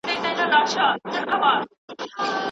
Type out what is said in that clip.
چین، هند او امریکا به د چاغو خلکو ډېر نفوس ولري.